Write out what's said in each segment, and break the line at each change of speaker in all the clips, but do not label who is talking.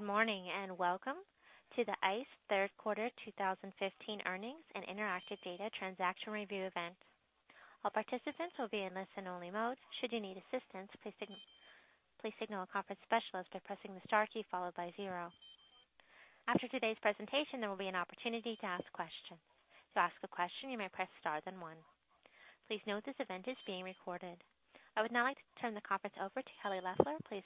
Good morning, and welcome to the ICE Third Quarter 2015 Earnings and Interactive Data Transaction Review event. All participants will be in listen-only mode. Should you need assistance, please signal a conference specialist by pressing the star key, followed by zero. After today's presentation, there will be an opportunity to ask questions. To ask a question, you may press star then one. Please note this event is being recorded. I would now like to turn the conference over to Kelly Loeffler. Please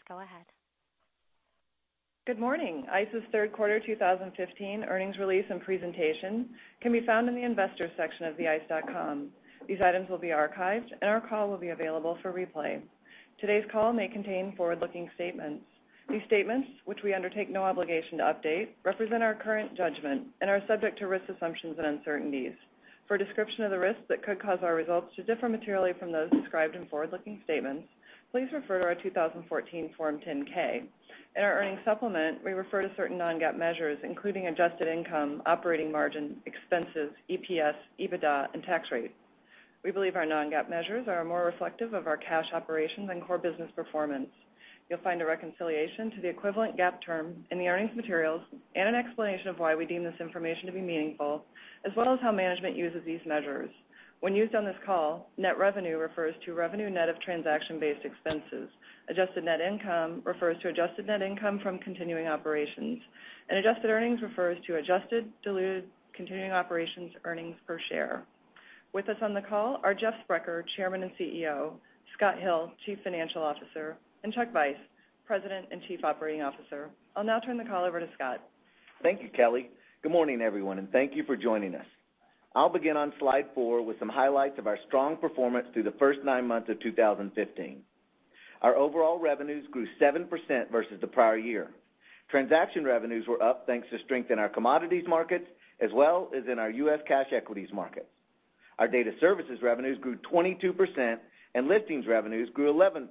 go ahead.
Good morning. ICE's third quarter 2015 earnings release and presentation can be found in the Investors section of the ice.com. These items will be archived, and our call will be available for replay. Today's call may contain forward-looking statements. These statements, which we undertake no obligation to update, represent our current judgment and are subject to risks, assumptions, and uncertainties. For a description of the risks that could cause our results to differ materially from those described in forward-looking statements, please refer to our 2014 Form 10-K. In our earnings supplement, we refer to certain non-GAAP measures, including adjusted income, operating margin, expenses, EPS, EBITDA, and tax rate. We believe our non-GAAP measures are more reflective of our cash operations and core business performance. You'll find a reconciliation to the equivalent GAAP term in the earnings materials and an explanation of why we deem this information to be meaningful, as well as how management uses these measures. When used on this call, net revenue refers to revenue net of transaction-based expenses. Adjusted net income refers to adjusted net income from continuing operations. Adjusted earnings refers to adjusted diluted continuing operations earnings per share. With us on the call are Jeff Sprecher, Chairman and CEO, Scott Hill, Chief Financial Officer, and Chuck Vice, President and Chief Operating Officer. I'll now turn the call over to Scott.
Thank you, Kelly. Good morning, everyone, and thank you for joining us. I'll begin on slide four with some highlights of our strong performance through the first nine months of 2015. Our overall revenues grew 7% versus the prior year. Transaction revenues were up, thanks to strength in our commodities markets, as well as in our U.S. cash equities market. Our data services revenues grew 22%, and listings revenues grew 11%.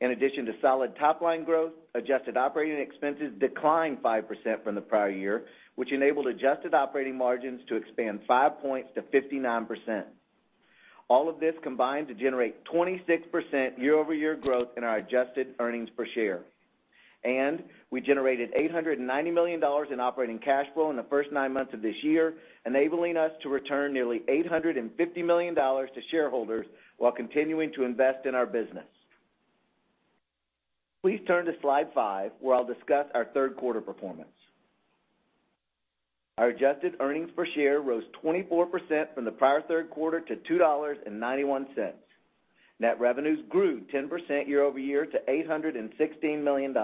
In addition to solid top-line growth, adjusted operating expenses declined 5% from the prior year, which enabled adjusted operating margins to expand five points to 59%. All of this combined to generate 26% year-over-year growth in our adjusted earnings per share. We generated $890 million in operating cash flow in the first nine months of this year, enabling us to return nearly $850 million to shareholders while continuing to invest in our business. Please turn to slide five, where I'll discuss our third quarter performance. Our adjusted earnings per share rose 24% from the prior third quarter to $2.91. Net revenues grew 10% year-over-year to $816 million.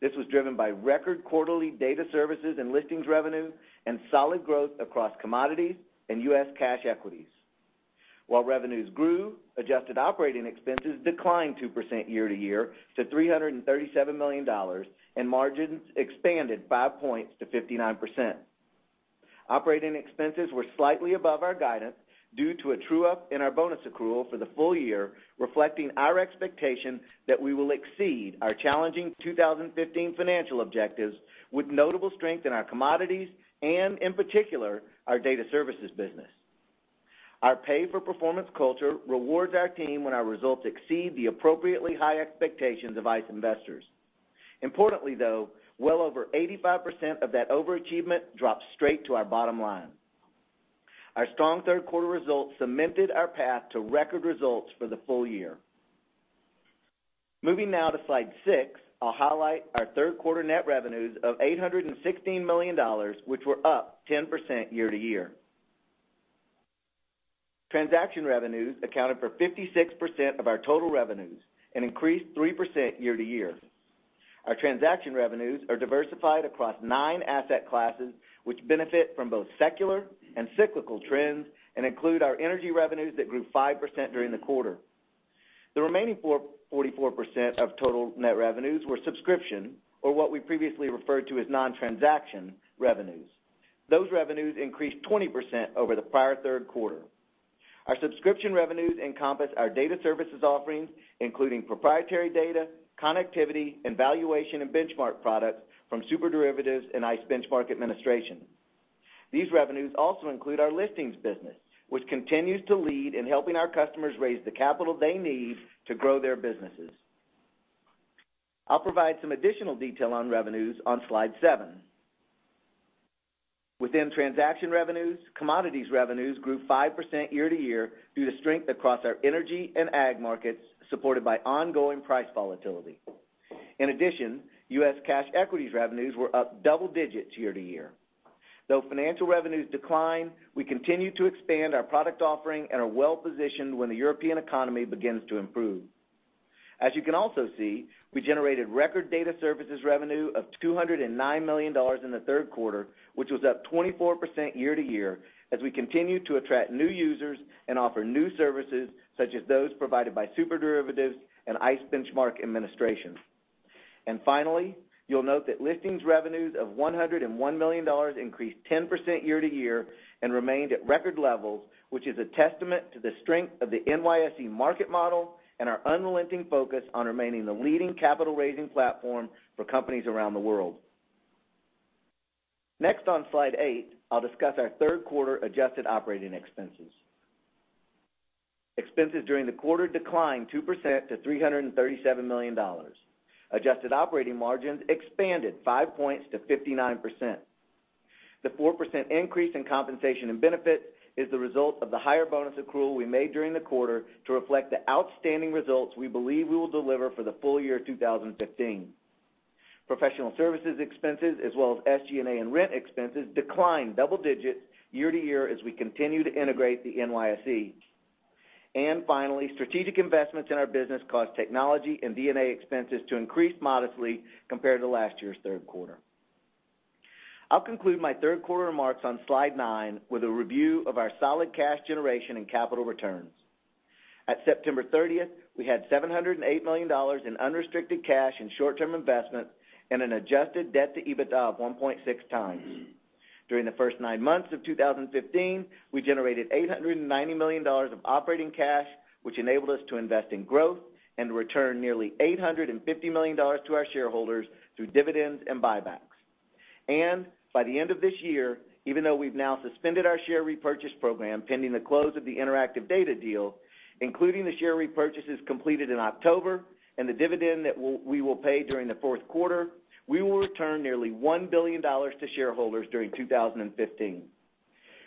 This was driven by record quarterly data services and listings revenue and solid growth across commodities and U.S. cash equities. While revenues grew, adjusted operating expenses declined 2% year to year to $337 million, and margins expanded five points to 59%. Operating expenses were slightly above our guidance due to a true-up in our bonus accrual for the full year, reflecting our expectation that we will exceed our challenging 2015 financial objectives with notable strength in our commodities and, in particular, our data services business. Our pay-for-performance culture rewards our team when our results exceed the appropriately high expectations of ICE investors. Importantly, though, well over 85% of that overachievement drops straight to our bottom line. Our strong third quarter results cemented our path to record results for the full year. Moving now to slide six, I'll highlight our third quarter net revenues of $816 million, which were up 10% year to year. Transaction revenues accounted for 56% of our total revenues and increased 3% year to year. Our transaction revenues are diversified across nine asset classes, which benefit from both secular and cyclical trends and include our energy revenues that grew 5% during the quarter. The remaining 44% of total net revenues were subscription, or what we previously referred to as non-transaction revenues. Those revenues increased 20% over the prior third quarter. Our subscription revenues encompass our data services offerings, including proprietary data, connectivity, and valuation and benchmark products from SuperDerivatives and ICE Benchmark Administration. These revenues also include our listings business, which continues to lead in helping our customers raise the capital they need to grow their businesses. I'll provide some additional detail on revenues on slide seven. Within transaction revenues, commodities revenues grew 5% year to year due to strength across our energy and ag markets, supported by ongoing price volatility. In addition, U.S. cash equities revenues were up double digits year to year. Though financial revenues decline, we continue to expand our product offering and are well-positioned when the European economy begins to improve. As you can also see, we generated record data services revenue of $209 million in the third quarter, which was up 24% year to year as we continue to attract new users and offer new services, such as those provided by SuperDerivatives and ICE Benchmark Administration. Finally, you'll note that listings revenues of $101 million increased 10% year to year and remained at record levels, which is a testament to the strength of the NYSE market model and our unrelenting focus on remaining the leading capital-raising platform for companies around the world. Next on slide eight, I'll discuss our third quarter adjusted operating expenses. Expenses during the quarter declined 2% to $337 million. Adjusted operating margins expanded five points to 59%. The 4% increase in compensation and benefits is the result of the higher bonus accrual we made during the quarter to reflect the outstanding results we believe we will deliver for the full year 2015. Professional services expenses, as well as SG&A and rent expenses, declined double digits year to year as we continue to integrate the NYSE. Finally, strategic investments in our business caused technology and D&A expenses to increase modestly compared to last year's third quarter. I'll conclude my third quarter remarks on slide nine with a review of our solid cash generation and capital returns. At September 30th, we had $708 million in unrestricted cash and short-term investments and an adjusted debt to EBITDA of 1.6 times. During the first nine months of 2015, we generated $890 million of operating cash, which enabled us to invest in growth and return nearly $850 million to our shareholders through dividends and buybacks. By the end of this year, even though we've now suspended our share repurchase program pending the close of the Interactive Data deal, including the share repurchases completed in October, and the dividend that we will pay during the fourth quarter, we will return nearly $1 billion to shareholders during 2015.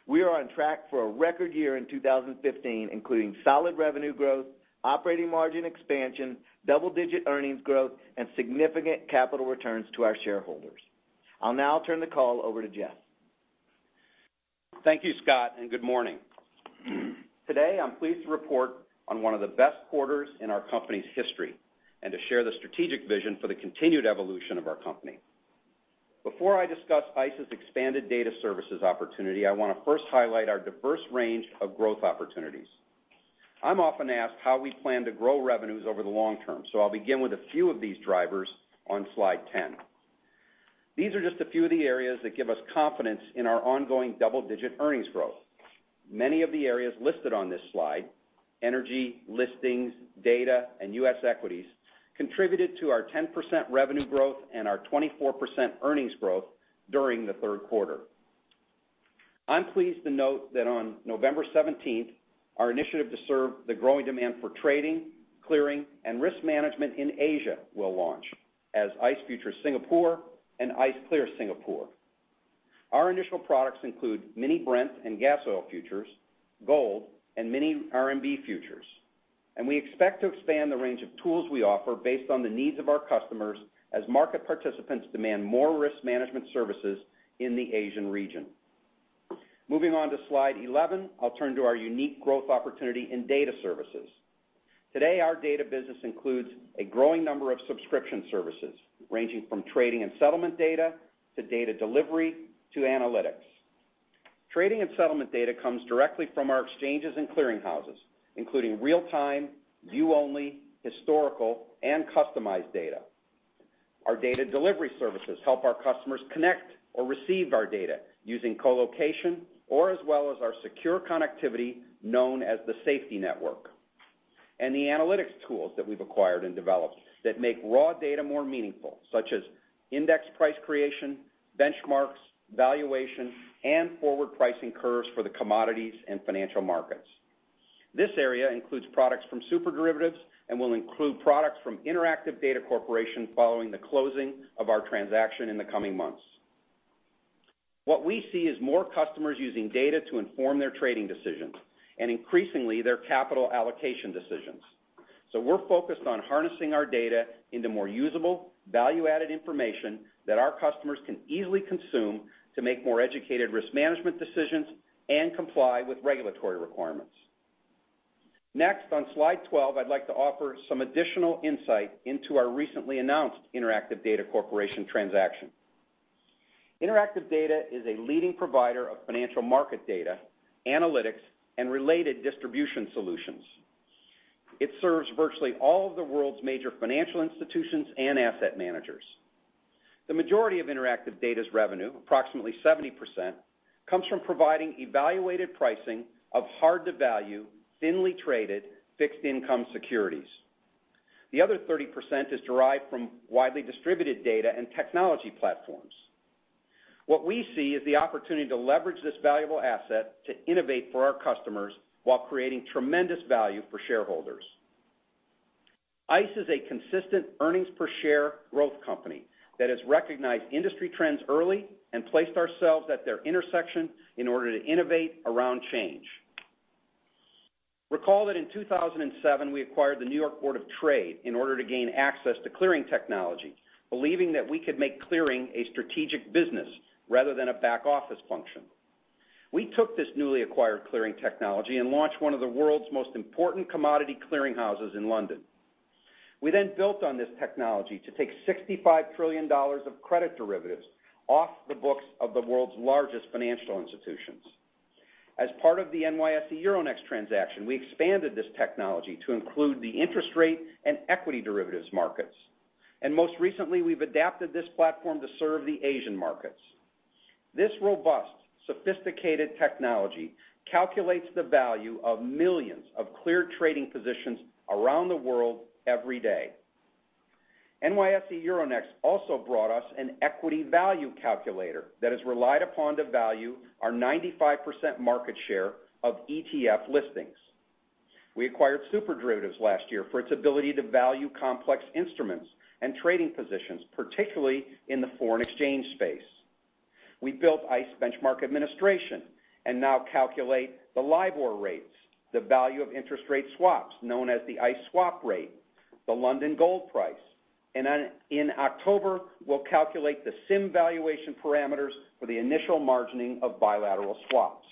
We are on track for a record year in 2015, including solid revenue growth, operating margin expansion, double-digit earnings growth, and significant capital returns to our shareholders. I'll now turn the call over to Jeff.
Thank you, Scott, and good morning. Today, I'm pleased to report on one of the best quarters in our company's history and to share the strategic vision for the continued evolution of our company. Before I discuss ICE's expanded data services opportunity, I want to first highlight our diverse range of growth opportunities. I'm often asked how we plan to grow revenues over the long term, so I'll begin with a few of these drivers on slide 10. These are just a few of the areas that give us confidence in our ongoing double-digit earnings growth. Many of the areas listed on this slide, energy, listings, data, and U.S. equities, contributed to our 10% revenue growth and our 24% earnings growth during the third quarter. I'm pleased to note that on November 17th, our initiative to serve the growing demand for trading, clearing, and risk management in Asia will launch as ICE Futures Singapore and ICE Clear Singapore. Our initial products include mini Brent and gas oil futures, gold, and mini RMB futures. We expect to expand the range of tools we offer based on the needs of our customers as market participants demand more risk management services in the Asian region. Moving on to slide 11, I'll turn to our unique growth opportunity in data services. Today, our data business includes a growing number of subscription services, ranging from trading and settlement data, to data delivery, to analytics. Trading and settlement data comes directly from our exchanges and clearing houses, including real-time, view-only, historical, and customized data. Our data delivery services help our customers connect or receive our data using co-location or as well as our secure connectivity known as the SFTI Network. The analytics tools that we've acquired and developed that make raw data more meaningful, such as index price creation, benchmarks, valuation, and forward pricing curves for the commodities and financial markets. This area includes products from SuperDerivatives and will include products from Interactive Data Corporation following the closing of our transaction in the coming months. What we see is more customers using data to inform their trading decisions and increasingly, their capital allocation decisions. We're focused on harnessing our data into more usable, value-added information that our customers can easily consume to make more educated risk management decisions and comply with regulatory requirements. Next, on slide 12, I'd like to offer some additional insight into our recently announced Interactive Data Corporation transaction. Interactive Data is a leading provider of financial market data, analytics, and related distribution solutions. It serves virtually all of the world's major financial institutions and asset managers. The majority of Interactive Data's revenue, approximately 70%, comes from providing evaluated pricing of hard to value, thinly traded, fixed income securities. The other 30% is derived from widely distributed data and technology platforms. What we see is the opportunity to leverage this valuable asset to innovate for our customers while creating tremendous value for shareholders. ICE is a consistent earnings per share growth company that has recognized industry trends early and placed ourselves at their intersection in order to innovate around change. Recall that in 2007, we acquired the New York Board of Trade in order to gain access to clearing technology, believing that we could make clearing a strategic business rather than a back-office function. We took this newly acquired clearing technology and launched one of the world's most important commodity clearing houses in London. We then built on this technology to take $65 trillion of credit derivatives off the books of the world's largest financial institutions. As part of the NYSE Euronext transaction, we expanded this technology to include the interest rate and equity derivatives markets. Most recently, we've adapted this platform to serve the Asian markets. This robust, sophisticated technology calculates the value of millions of cleared trading positions around the world every day. NYSE Euronext also brought us an equity value calculator that is relied upon to value our 95% market share of ETF listings. We acquired SuperDerivatives last year for its ability to value complex instruments and trading positions, particularly in the foreign exchange space. We built ICE Benchmark Administration, and now calculate the LIBOR rates, the value of interest rate swaps, known as the ICE Swap Rate, the London gold price. In October, we'll calculate the SIM valuation parameters for the initial margining of bilateral swaps.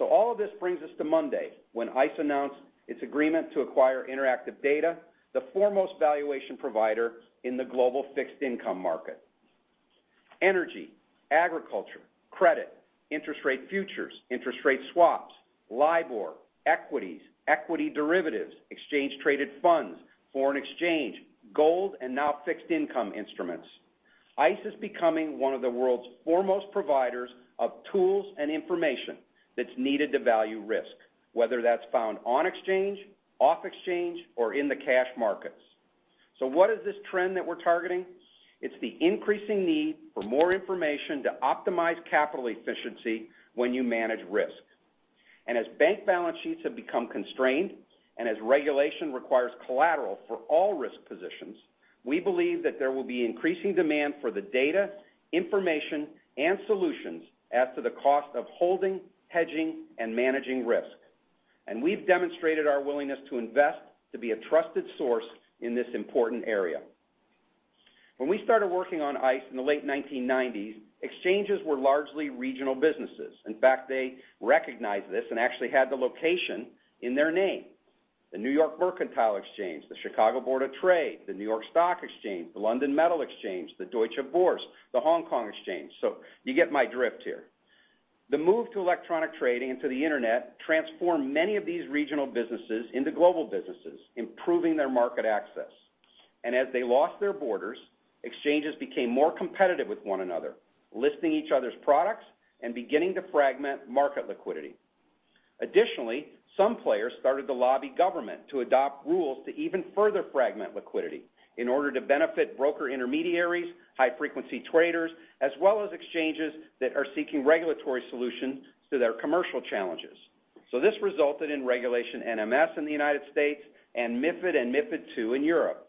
All of this brings us to Monday, when ICE announced its agreement to acquire Interactive Data, the foremost valuation provider in the global fixed income market. Energy, agriculture, credit, interest rate futures, interest rate swaps, LIBOR, equities, equity derivatives, exchange traded funds, foreign exchange, gold, and now fixed income instruments. ICE is becoming one of the world's foremost providers of tools and information that's needed to value risk, whether that's found on exchange, off exchange, or in the cash markets. What is this trend that we're targeting? It's the increasing need for more information to optimize capital efficiency when you manage risk. As bank balance sheets have become constrained, and as regulation requires collateral for all risk positions, we believe that there will be increasing demand for the data, information, and solutions as to the cost of holding, hedging, and managing risk. We've demonstrated our willingness to invest to be a trusted source in this important area. When we started working on ICE in the late 1990s, exchanges were largely regional businesses. In fact, they recognized this and actually had the location in their name. The New York Mercantile Exchange, the Chicago Board of Trade, the New York Stock Exchange, the London Metal Exchange, the Deutsche Börse, the Hong Kong Exchange. You get my drift here. The move to electronic trading and to the internet transformed many of these regional businesses into global businesses, improving their market access. As they lost their borders, exchanges became more competitive with one another, listing each other's products and beginning to fragment market liquidity. Additionally, some players started to lobby government to adopt rules to even further fragment liquidity in order to benefit broker intermediaries, high-frequency traders, as well as exchanges that are seeking regulatory solutions to their commercial challenges. This resulted in Regulation NMS in the U.S. and MiFID and MiFID II in Europe.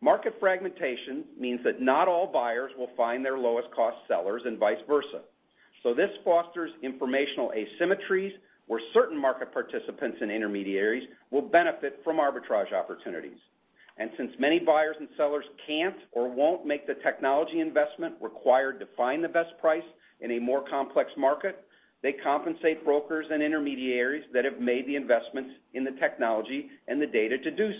Market fragmentation means that not all buyers will find their lowest cost sellers and vice versa. This fosters informational asymmetries where certain market participants and intermediaries will benefit from arbitrage opportunities. Since many buyers and sellers can't or won't make the technology investment required to find the best price in a more complex market, they compensate brokers and intermediaries that have made the investments in the technology and the data to do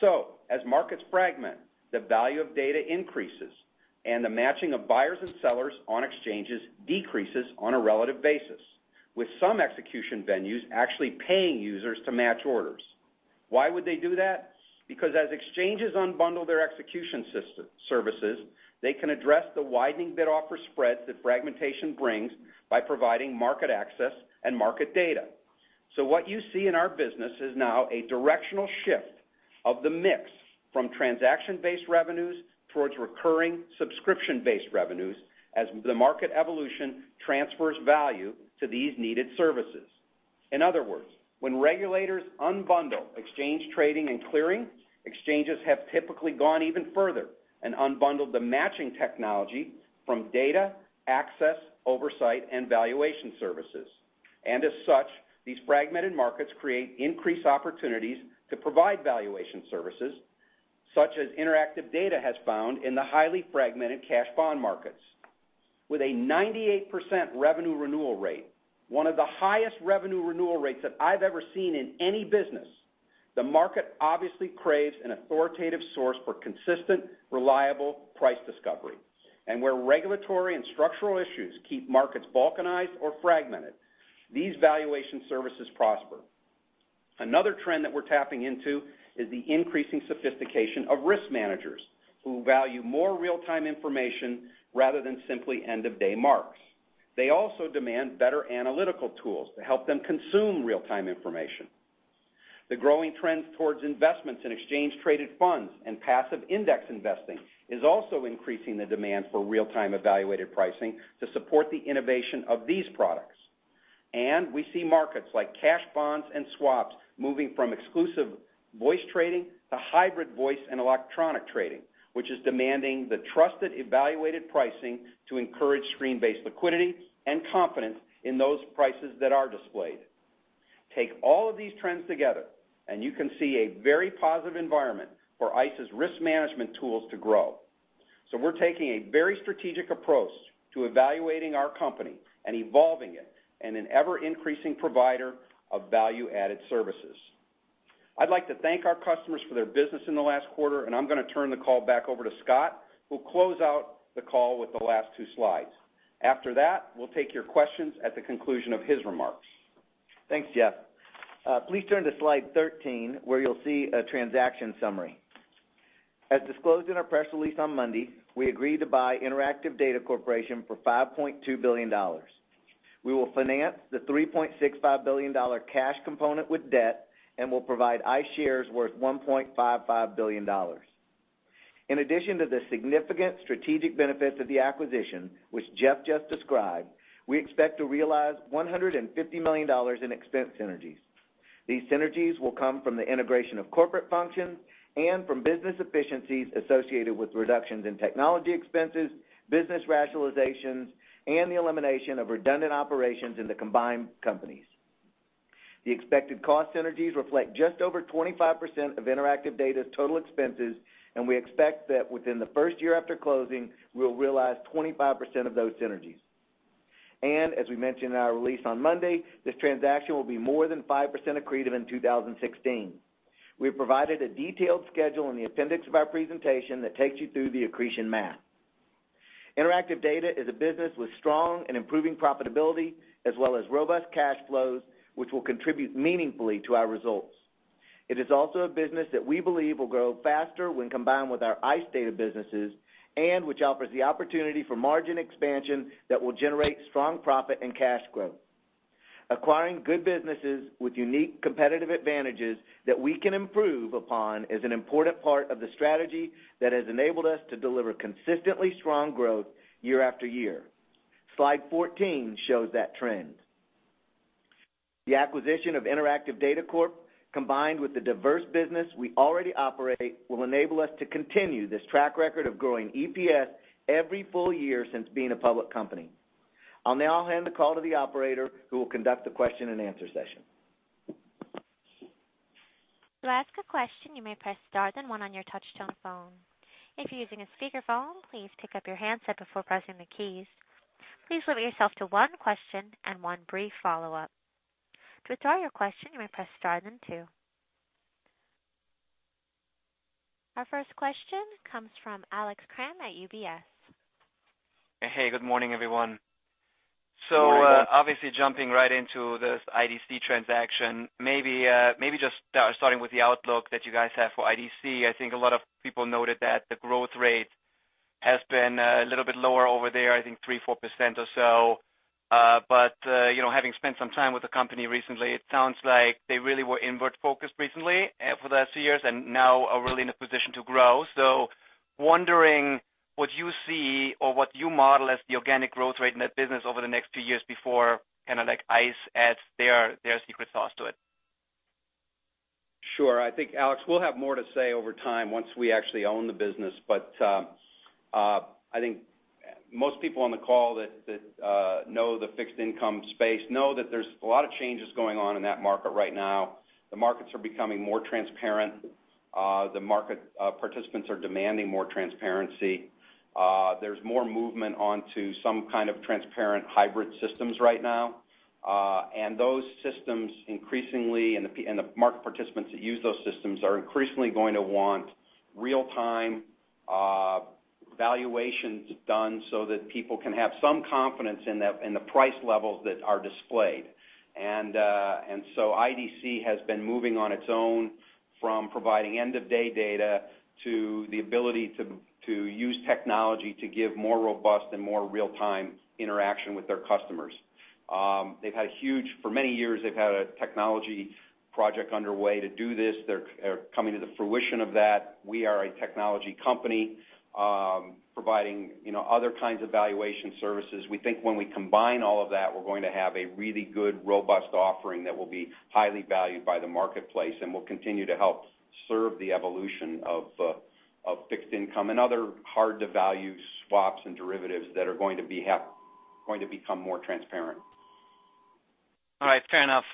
so. As markets fragment, the value of data increases, and the matching of buyers and sellers on exchanges decreases on a relative basis, with some execution venues actually paying users to match orders. Why would they do that? Because as exchanges unbundle their execution services, they can address the widening bid-offer spreads that fragmentation brings by providing market access and market data. What you see in our business is now a directional shift of the mix from transaction-based revenues towards recurring subscription-based revenues as the market evolution transfers value to these needed services. In other words, when regulators unbundle exchange trading and clearing, exchanges have typically gone even further and unbundled the matching technology from data, access, oversight, and valuation services. As such, these fragmented markets create increased opportunities to provide valuation services such as Interactive Data has found in the highly fragmented cash bond markets. With a 98% revenue renewal rate, one of the highest revenue renewal rates that I've ever seen in any business, the market obviously craves an authoritative source for consistent, reliable price discovery. Where regulatory and structural issues keep markets balkanized or fragmented, these valuation services prosper. Another trend that we're tapping into is the increasing sophistication of risk managers, who value more real-time information rather than simply end-of-day marks. They also demand better analytical tools to help them consume real-time information. The growing trend towards investments in exchange traded funds and passive index investing is also increasing the demand for real-time evaluated pricing to support the innovation of these products. We see markets like cash bonds and swaps moving from exclusive voice trading to hybrid voice and electronic trading, which is demanding the trusted evaluated pricing to encourage screen-based liquidity and confidence in those prices that are displayed. Take all of these trends together, you can see a very positive environment for ICE's risk management tools to grow. We're taking a very strategic approach to evaluating our company and evolving it in an ever-increasing provider of value-added services. I'd like to thank our customers for their business in the last quarter, and I'm going to turn the call back over to Scott, who'll close out the call with the last two slides. After that, we'll take your questions at the conclusion of his remarks.
Thanks, Jeff. Please turn to slide 13, where you'll see a transaction summary. As disclosed in our press release on Monday, we agreed to buy Interactive Data Corporation for $5.2 billion. We will finance the $3.65 billion cash component with debt, we'll provide ICE shares worth $1.55 billion. In addition to the significant strategic benefits of the acquisition, which Jeff just described, we expect to realize $150 million in expense synergies. These synergies will come from the integration of corporate functions and from business efficiencies associated with reductions in technology expenses, business rationalizations, and the elimination of redundant operations in the combined companies. The expected cost synergies reflect just over 25% of Interactive Data's total expenses, we expect that within the first year after closing, we'll realize 25% of those synergies. As we mentioned in our release on Monday, this transaction will be more than 5% accretive in 2016. We have provided a detailed schedule in the appendix of our presentation that takes you through the accretion math. Interactive Data is a business with strong and improving profitability, as well as robust cash flows, which will contribute meaningfully to our results. It is also a business that we believe will grow faster when combined with our ICE data businesses, which offers the opportunity for margin expansion that will generate strong profit and cash growth. Acquiring good businesses with unique competitive advantages that we can improve upon is an important part of the strategy that has enabled us to deliver consistently strong growth year after year. Slide 14 shows that trend. The acquisition of Interactive Data Corp, combined with the diverse business we already operate, will enable us to continue this track record of growing EPS every full year since being a public company. I'll now hand the call to the operator, who will conduct the question and answer session.
To ask a question, you may press star then one on your touch-tone phone. If you're using a speakerphone, please pick up your handset before pressing the keys. Please limit yourself to one question and one brief follow-up. To withdraw your question, you may press star then two. Our first question comes from Alex Kramm at UBS.
Hey, good morning, everyone.
Good morning.
Obviously jumping right into this IDC transaction. Maybe just starting with the outlook that you guys have for IDC. I think a lot of people noted that the growth rate has been a little bit lower over there, I think 3%-4% or so. Having spent some time with the company recently, it sounds like they really were inward-focused recently for the last few years and now are really in a position to grow. Wondering what you see or what you model as the organic growth rate in that business over the next few years before ICE adds their secret sauce to it.
Sure. I think, Alex, we'll have more to say over time once we actually own the business. I think most people on the call that know the fixed income space know that there's a lot of changes going on in that market right now. The markets are becoming more transparent. The market participants are demanding more transparency. There's more movement onto some kind of transparent hybrid systems right now. Those systems increasingly, and the market participants that use those systems, are increasingly going to want real-time valuations done so that people can have some confidence in the price levels that are displayed. IDC has been moving on its own from providing end-of-day data to the ability to use technology to give more robust and more real-time interaction with their customers. For many years, they've had a technology project underway to do this. They're coming to the fruition of that. We are a technology company providing other kinds of valuation services. We think when we combine all of that, we're going to have a really good, robust offering that will be highly valued by the marketplace and will continue to help serve the evolution of fixed income and other hard to value swaps and derivatives that are going to become more transparent.
All right. Fair enough.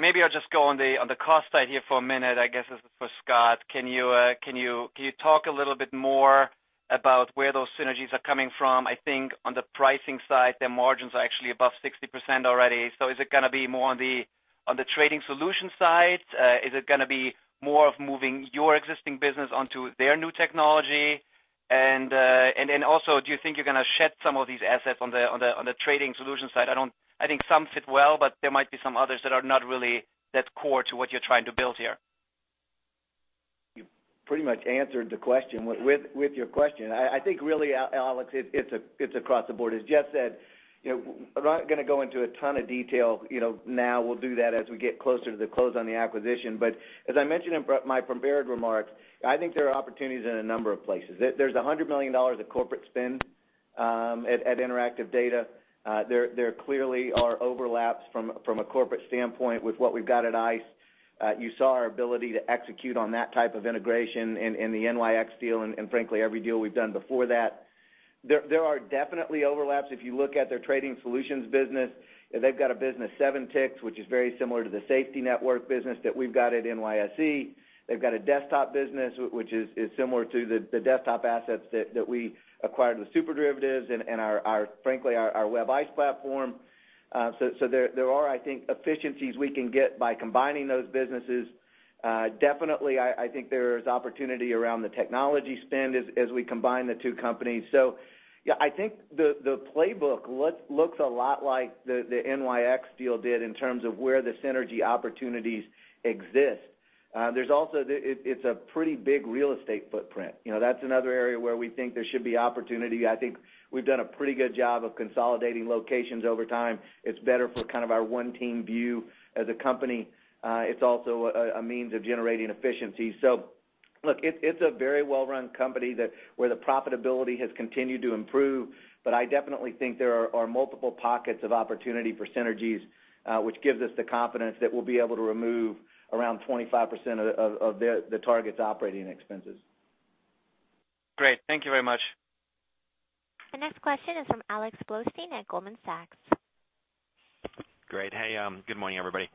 Maybe I'll just go on the cost side here for a minute, I guess this is for Scott. Can you talk a little bit more about where those synergies are coming from? I think on the pricing side, their margins are actually above 60% already. Is it going to be more on the trading solution side? Is it going to be more of moving your existing business onto their new technology? Also, do you think you're going to shed some of these assets on the trading solutions side? I think some fit well, but there might be some others that are not really that core to what you're trying to build here.
You pretty much answered the question with your question. I think really, Alex, it's across the board. As Jeff said, we're not going to go into a ton of detail now. We'll do that as we get closer to the close on the acquisition. As I mentioned in my prepared remarks, I think there are opportunities in a number of places. There's $100 million of corporate spend at Interactive Data. There clearly are overlaps from a corporate standpoint with what we've got at ICE. You saw our ability to execute on that type of integration in the NYX deal, and frankly, every deal we've done before that. There are definitely overlaps. If you look at their trading solutions business, they've got a business, 7ticks, which is very similar to the SFTI network business that we've got at NYSE. They've got a desktop business, which is similar to the desktop assets that we acquired with SuperDerivatives and frankly, our WebICE platform. There are, I think, efficiencies we can get by combining those businesses. Definitely, I think there's opportunity around the technology spend as we combine the two companies. Yeah, I think the playbook looks a lot like the NYX deal did in terms of where the synergy opportunities exist. There's also, it's a pretty big real estate footprint. That's another area where we think there should be opportunity. I think we've done a pretty good job of consolidating locations over time. It's better for kind of our one team view as a company. It's also a means of generating efficiency. Look, it's a very well-run company where the profitability has continued to improve. I definitely think there are multiple pockets of opportunity for synergies, which gives us the confidence that we'll be able to remove around 25% of the targets operating expenses.
Great. Thank you very much.
The next question is from Alex Blostein at Goldman Sachs.
Great. Hey, good morning, everybody.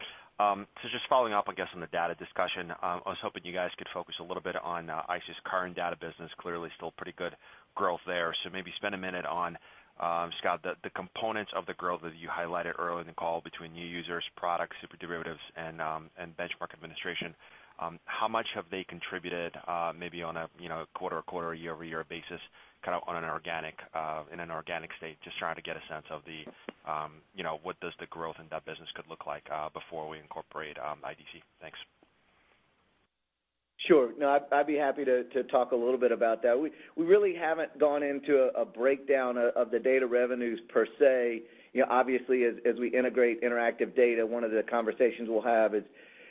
Just following up, I guess, on the data discussion, I was hoping you guys could focus a little bit on ICE's current data business. Clearly still pretty good growth there. Maybe spend a minute on, Scott, the components of the growth that you highlighted earlier in the call between new users, products, SuperDerivatives, and Benchmark Administration. How much have they contributed, maybe on a quarter-over-quarter, year-over-year basis, kind of in an organic state? Just trying to get a sense of what the growth in that business could look like before we incorporate IDC. Thanks.
Sure. No, I'd be happy to talk a little bit about that. We really haven't gone into a breakdown of the data revenues per se. Obviously, as we integrate Interactive Data, one of the conversations we'll have is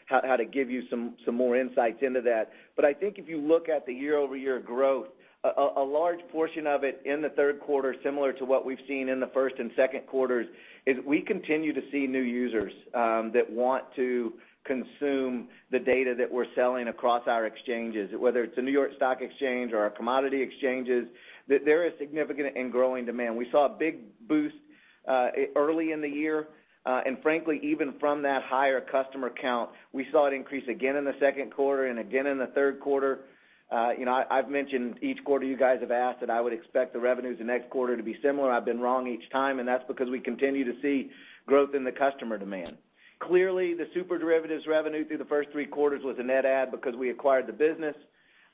how to give you some more insights into that. I think if you look at the year-over-year growth, a large portion of it in the third quarter, similar to what we've seen in the first and second quarters, is we continue to see new users that want to consume the data that we're selling across our exchanges, whether it's the New York Stock Exchange or our commodity exchanges. There is significant and growing demand. We saw a big boost early in the year, and frankly, even from that higher customer count, we saw it increase again in the second quarter and again in the third quarter. I've mentioned each quarter you guys have asked that I would expect the revenues the next quarter to be similar. I've been wrong each time, and that's because we continue to see growth in the customer demand. Clearly, the SuperDerivatives revenue through the first three quarters was a net add because we acquired the business.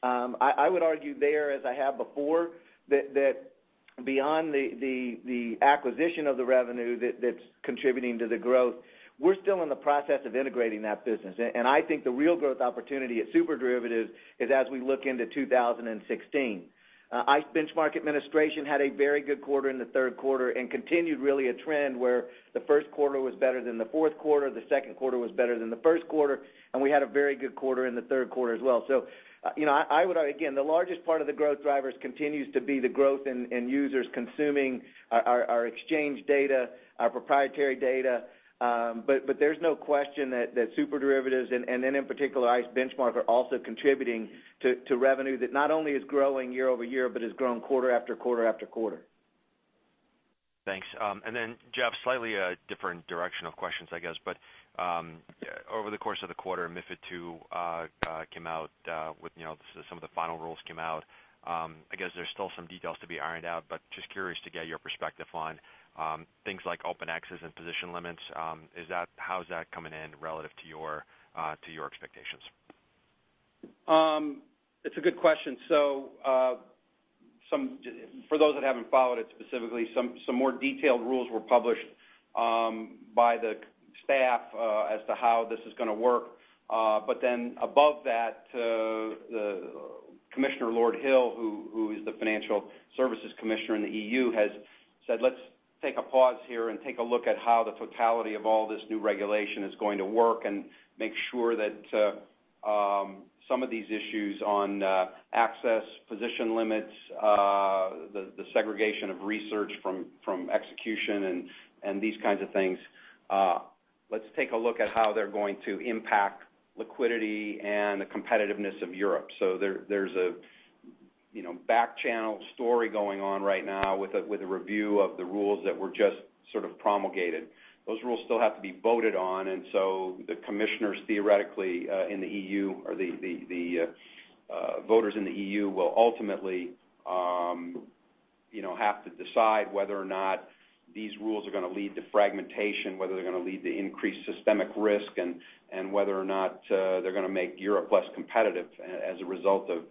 I would argue there, as I have before, that beyond the acquisition of the revenue that's contributing to the growth, we're still in the process of integrating that business. I think the real growth opportunity at SuperDerivatives is as we look into 2016. ICE Benchmark Administration had a very good quarter in the third quarter and continued really a trend where the first quarter was better than the fourth quarter, the second quarter was better than the first quarter, and we had a very good quarter in the third quarter as well. The largest part of the growth drivers continues to be the growth in users consuming our exchange data, our proprietary data. There's no question that SuperDerivatives and then in particular, ICE Benchmark, are also contributing to revenue that not only is growing year-over-year, but has grown quarter, after quarter, after quarter.
Thanks. Jeff, slightly a different direction of questions, I guess, but over the course of the quarter, MiFID II came out, some of the final rules came out. I guess there's still some details to be ironed out, but just curious to get your perspective on things like open access and position limits. How is that coming in relative to your expectations?
It's a good question. For those that haven't followed it specifically, some more detailed rules were published by the staff as to how this is going to work. Above that, Commissioner Jonathan Hill, who is the financial services commissioner in the EU, has said, "Let's take a pause here and take a look at how the totality of all this new regulation is going to work and make sure that some of these issues on access, position limits, the segregation of research from execution, and these kinds of things, let's take a look at how they're going to impact liquidity and the competitiveness of Europe." There's a back-channel story going on right now with a review of the rules that were just sort of promulgated. Those rules still have to be voted on, the commissioners theoretically in the EU, or the voters in the EU will ultimately have to decide whether or not these rules are going to lead to fragmentation, whether they're going to lead to increased systemic risk and whether or not they're going to make Europe less competitive as a result of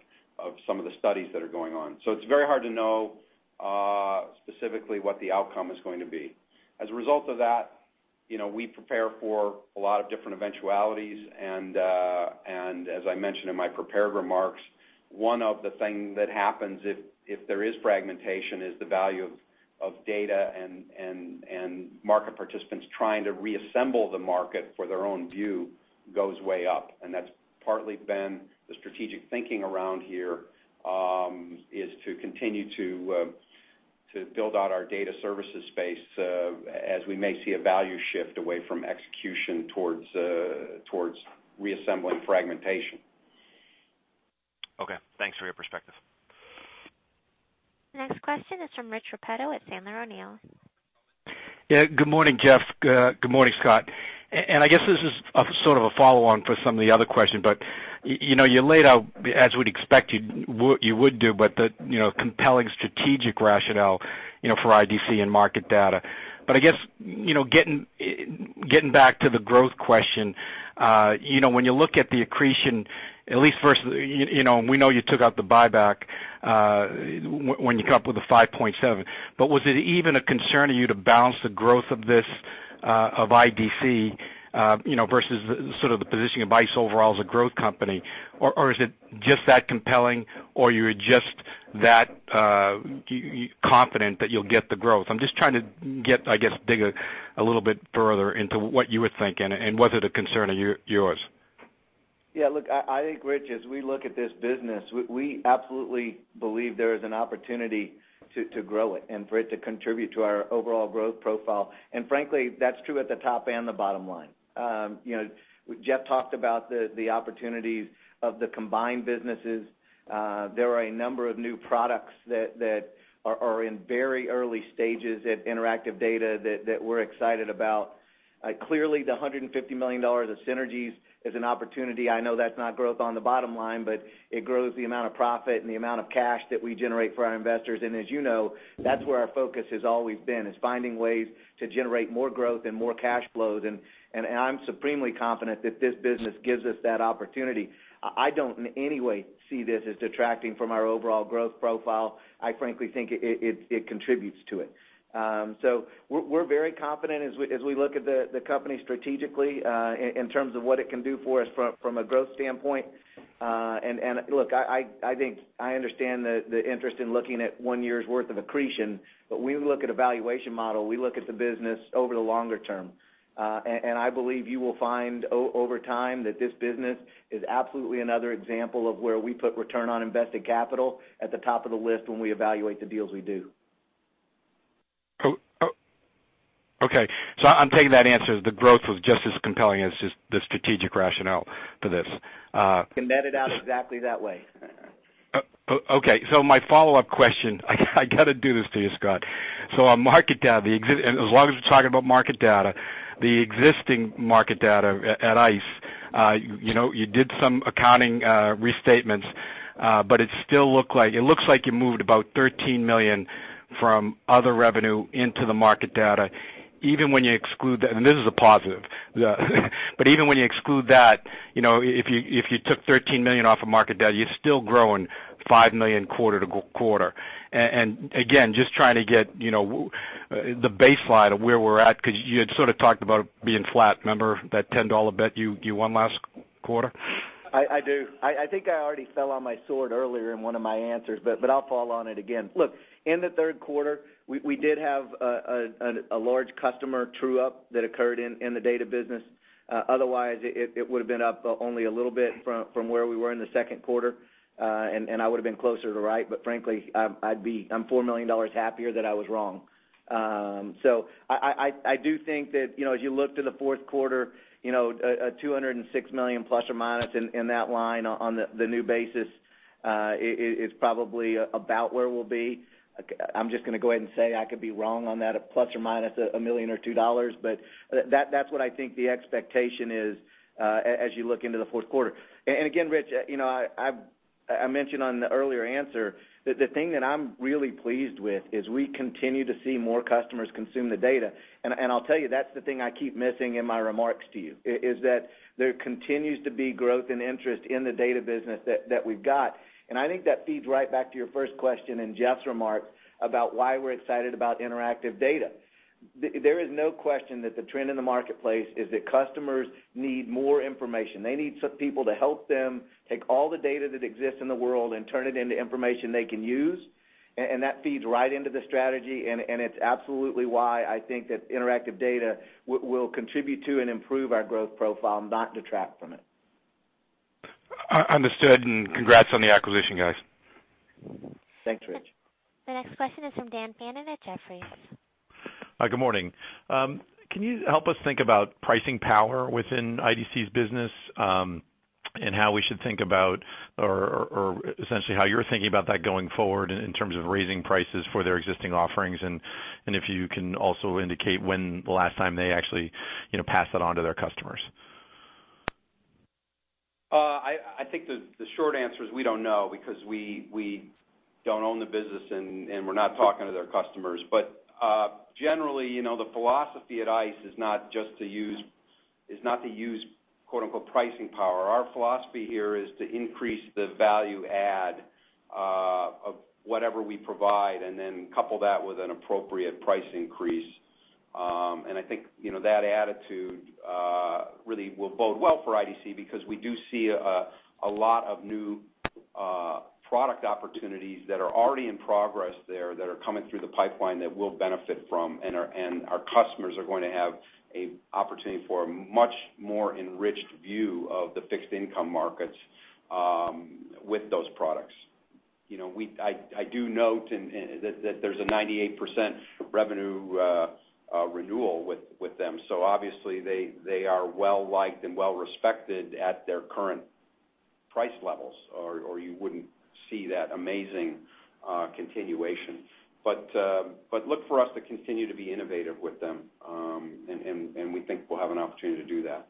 some of the studies that are going on. It's very hard to know specifically what the outcome is going to be. As a result of that, we prepare for a lot of different eventualities, and as I mentioned in my prepared remarks, one of the things that happens if there is fragmentation is the value of data and market participants trying to reassemble the market for their own view goes way up. That's partly been the strategic thinking around here, is to continue to build out our data services space as we may see a value shift away from execution towards reassembling fragmentation.
Okay. Thanks for your perspective.
Next question is from Rich Repetto at Sandler O'Neill.
Yeah, good morning, Jeff. Good morning, Scott. I guess this is sort of a follow on for some of the other questions, but you laid out, as we'd expect you would do, but the compelling strategic rationale for IDC and market data. I guess, getting back to the growth question, when you look at the accretion, at least first, we know you took out the buyback when you come up with the 5.7. Was it even a concern to you to balance the growth of this of IDC versus the positioning of ICE overall as a growth company. Is it just that compelling, or you're just that confident that you'll get the growth? I'm just trying to, I guess, dig a little bit further into what you would think and was it a concern of yours.
Yeah, look, I agree, Rich, as we look at this business, we absolutely believe there is an opportunity to grow it and for it to contribute to our overall growth profile. Frankly, that's true at the top and the bottom line. Jeff talked about the opportunities of the combined businesses. There are a number of new products that are in very early stages at Interactive Data that we're excited about. Clearly, the $150 million of synergies is an opportunity. I know that's not growth on the bottom line, but it grows the amount of profit and the amount of cash that we generate for our investors. As you know, that's where our focus has always been, is finding ways to generate more growth and more cash flows. I'm supremely confident that this business gives us that opportunity. I don't in any way see this as detracting from our overall growth profile. I frankly think it contributes to it. We're very confident as we look at the company strategically in terms of what it can do for us from a growth standpoint. Look, I think I understand the interest in looking at one year's worth of accretion, we look at a valuation model, we look at the business over the longer term. I believe you will find over time that this business is absolutely another example of where we put return on invested capital at the top of the list when we evaluate the deals we do.
Okay. I'm taking that answer as the growth was just as compelling as just the strategic rationale for this.
Can net it out exactly that way.
My follow-up question, I got to do this to you, Scott. On market data, and as long as we're talking about market data, the existing market data at ICE, you did some accounting restatements, but it looks like you moved about $13 million from other revenue into the market data. Even when you exclude that, and this is a positive, but even when you exclude that, if you took $13 million off of market data, you're still growing $5 million quarter-to-quarter. Again, just trying to get the baseline of where we're at, because you had sort of talked about it being flat. Remember that $10 bet you won last quarter?
I do. I think I already fell on my sword earlier in one of my answers, but I'll fall on it again. In the third quarter, we did have a large customer true-up that occurred in the data business. Otherwise, it would have been up only a little bit from where we were in the second quarter, and I would've been closer to right, but frankly, I'm $4 million happier that I was wrong. I do think that as you look to the fourth quarter, $206 million plus or minus in that line on the new basis is probably about where we'll be. I'm just going to go ahead and say I could be wrong on that plus or minus a million or $2, but that's what I think the expectation is as you look into the fourth quarter. Again, Rich, I mentioned on the earlier answer, the thing that I'm really pleased with is we continue to see more customers consume the data. I'll tell you, that's the thing I keep missing in my remarks to you, is that there continues to be growth and interest in the data business that we've got. I think that feeds right back to your first question and Jeff's remarks about why we're excited about Interactive Data. There is no question that the trend in the marketplace is that customers need more information. They need some people to help them take all the data that exists in the world and turn it into information they can use. That feeds right into the strategy, and it's absolutely why I think that Interactive Data will contribute to and improve our growth profile, not detract from it.
Understood, congrats on the acquisition, guys.
Thanks, Rich.
The next question is from Daniel Fannon at Jefferies.
Hi, good morning. Can you help us think about pricing power within IDC's business and how we should think about, or essentially how you're thinking about that going forward in terms of raising prices for their existing offerings? If you can also indicate when the last time they actually passed that on to their customers.
I think the short answer is we don't know because we don't own the business, and we're not talking to their customers. Generally, the philosophy at ICE is not to use "pricing power." Our philosophy here is to increase the value add of whatever we provide and then couple that with an appropriate price increase. I think that attitude really will bode well for IDC because we do see a lot of new product opportunities that are already in progress there that are coming through the pipeline that we'll benefit from. Our customers are going to have an opportunity for a much more enriched view of the fixed income markets with those products. I do note that there's a 98% revenue renewal with them, obviously, they are well-liked and well-respected at their current price levels, or you wouldn't see that amazing continuation. Look for us to continue to be innovative with them, we think we'll have an opportunity to do that.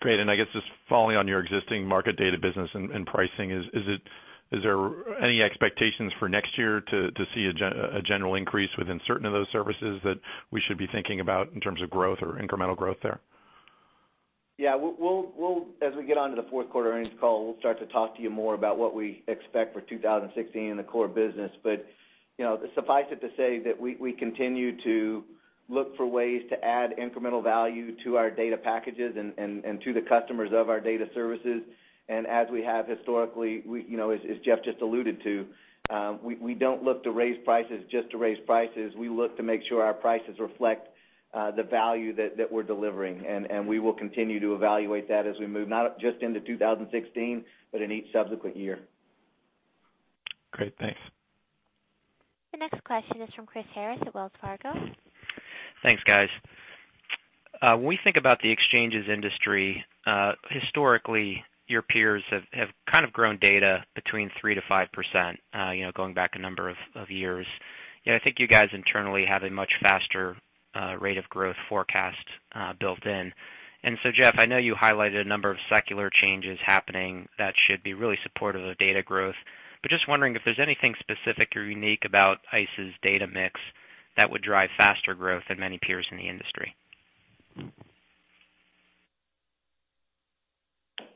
Great. I guess just following on your existing market data business and pricing, is there any expectations for next year to see a general increase within certain of those services that we should be thinking about in terms of growth or incremental growth there?
Yeah. As we get onto the fourth quarter earnings call, we'll start to talk to you more about what we expect for 2016 in the core business. Suffice it to say that we continue to look for ways to add incremental value to our data packages and to the customers of our data services. As we have historically, as Jeff just alluded to, we don't look to raise prices just to raise prices. We look to make sure our prices reflect the value that we're delivering. We will continue to evaluate that as we move, not just into 2016, but in each subsequent year.
Great. Thanks.
The next question is from Christopher Harris at Wells Fargo.
Thanks, guys. When we think about the exchanges industry, historically, your peers have kind of grown data between 3% to 5%, going back a number of years. I think you guys internally have a much faster rate of growth forecast built in. So Jeff, I know you highlighted a number of secular changes happening that should be really supportive of data growth, but just wondering if there's anything specific or unique about ICE's data mix that would drive faster growth than many peers in the industry.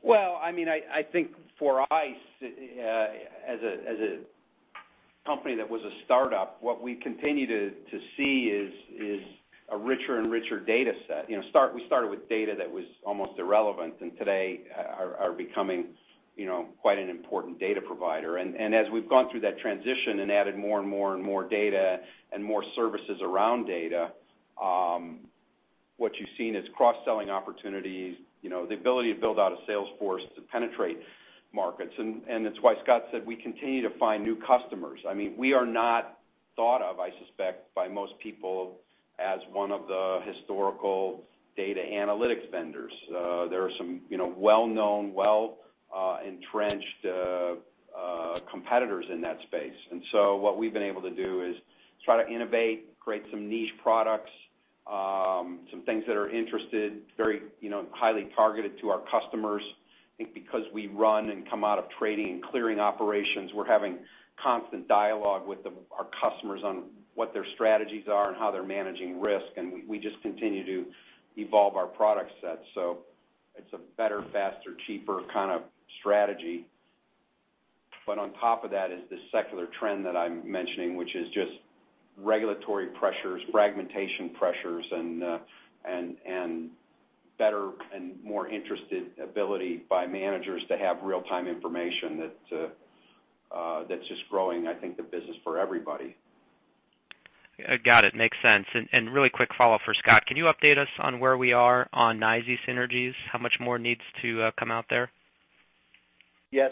Well, I think for ICE, as a company that was a startup, what we continue to see is a richer and richer data set. We started with data that was almost irrelevant, today are becoming quite an important data provider. As we've gone through that transition and added more and more data and more services around data, what you've seen is cross-selling opportunities, the ability to build out a sales force to penetrate markets. It's why Scott said we continue to find new customers. We are not thought of, I suspect, by most people as one of the historical data analytics vendors. There are some well-known, well-entrenched competitors in that space. So what we've been able to do is try to innovate, create some niche products, some things that are interested, very highly targeted to our customers. I think because we run and come out of trading and clearing operations, we're having constant dialogue with our customers on what their strategies are and how they're managing risk, and we just continue to evolve our product set. It's a better, faster, cheaper kind of strategy. On top of that is this secular trend that I'm mentioning, which is just regulatory pressures, fragmentation pressures, and better and more interested ability by managers to have real-time information that's just growing, I think, the business for everybody.
Got it. Makes sense. Really quick follow for Scott. Can you update us on where we are on NYSE synergies? How much more needs to come out there?
Yeah.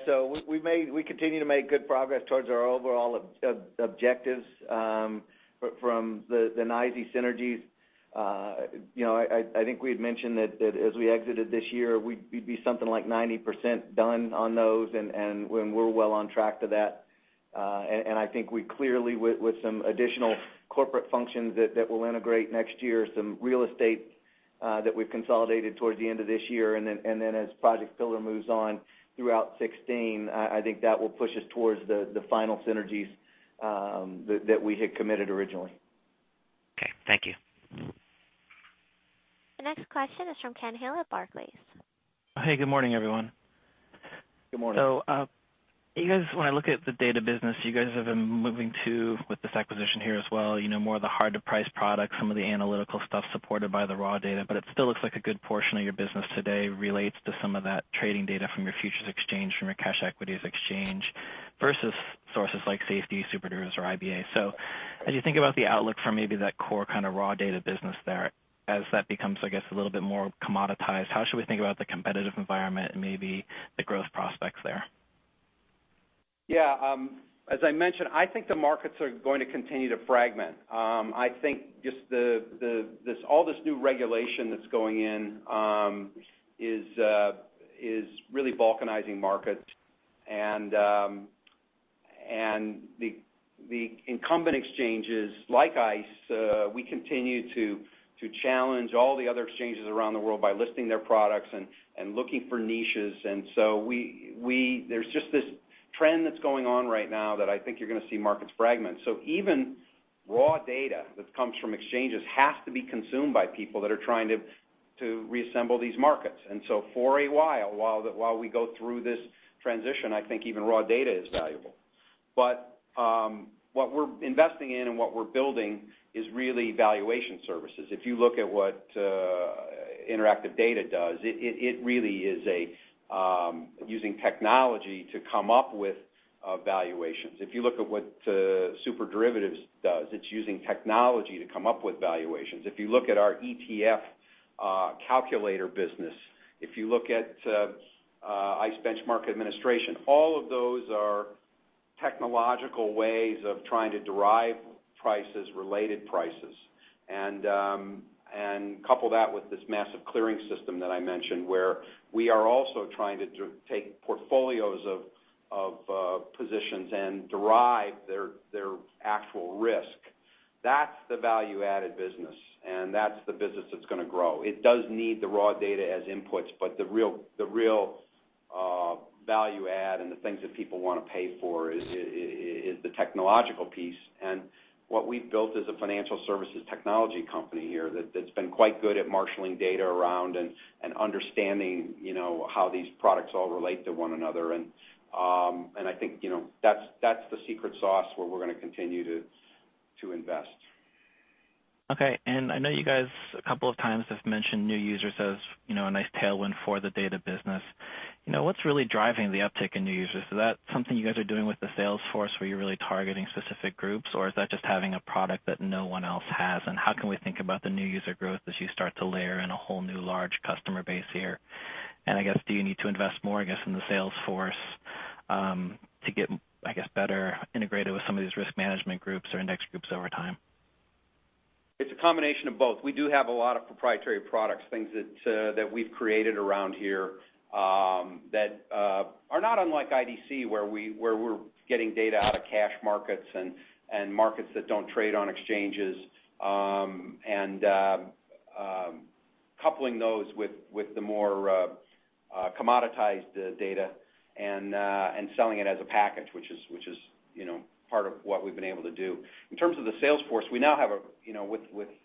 We continue to make good progress towards our overall objectives from the NYSE synergies. I think we had mentioned that as we exited this year, we'd be something like 90% done on those, and we're well on track to that. I think we clearly, with some additional corporate functions that will integrate next year, some real estate that we've consolidated towards the end of this year, and then as Project Pillar moves on throughout 2016, I think that will push us towards the final synergies that we had committed originally.
Okay. Thank you.
The next question is from Ken Hill at Barclays.
Hey, good morning, everyone. Good morning. When I look at the data business, you guys have been moving to, with this acquisition here as well, more of the hard-to-price products, some of the analytical stuff supported by the raw data. It still looks like a good portion of your business today relates to some of that trading data from your futures exchange, from your cash equities exchange, versus sources like SFTI, SuperDerivatives, or IBA. As you think about the outlook for maybe that core kind of raw data business there, as that becomes, I guess, a little bit more commoditized, how should we think about the competitive environment and maybe the growth prospects there?
Yeah. As I mentioned, I think the markets are going to continue to fragment. I think just all this new regulation that's going in is really balkanizing markets. The incumbent exchanges like ICE, we continue to challenge all the other exchanges around the world by listing their products and looking for niches. There's just this trend that's going on right now that I think you're going to see markets fragment. Even raw data that comes from exchanges has to be consumed by people that are trying to reassemble these markets. For a while we go through this transition, I think even raw data is valuable. What we're investing in and what we're building is really valuation services. If you look at what Interactive Data does, it really is using technology to come up with valuations. If you look at what SuperDerivatives does, it's using technology to come up with valuations. If you look at our ETF calculator business, if you look at ICE Benchmark Administration, all of those are technological ways of trying to derive prices, related prices. Couple that with this massive clearing system that I mentioned, where we are also trying to take portfolios of positions and derive their actual risk. That's the value-added business, and that's the business that's going to grow. It does need the raw data as inputs, but the real value-add and the things that people want to pay for is the technological piece. What we've built is a financial services technology company here that's been quite good at marshaling data around and understanding how these products all relate to one another. I think that's the secret sauce where we're going to continue to invest.
Okay. I know you guys, a couple of times, have mentioned new users as a nice tailwind for the data business. What's really driving the uptick in new users? Is that something you guys are doing with the sales force where you're really targeting specific groups, or is that just having a product that no one else has? How can we think about the new user growth as you start to layer in a whole new large customer base here? I guess, do you need to invest more in the sales force to get better integrated with some of these risk management groups or index groups over time?
It's a combination of both. We do have a lot of proprietary products, things that we've created around here that are not unlike IDC, where we're getting data out of cash markets and markets that don't trade on exchanges, and coupling those with the more commoditized data and selling it as a package, which is part of what we've been able to do. In terms of the sales force, with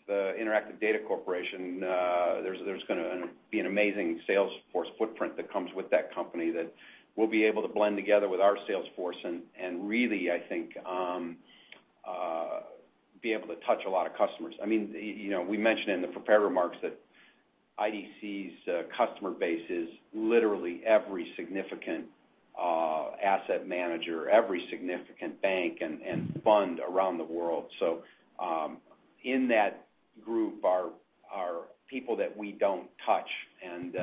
the Interactive Data Corporation, there's going to be an amazing sales force footprint that comes with that company that we'll be able to blend together with our sales force and really, I think, be able to touch a lot of customers. We mentioned in the prepared remarks that IDC's customer base is literally every significant asset manager, every significant bank, and fund around the world. In that group are people that we don't touch, and